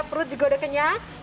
pelut juga udah kenyang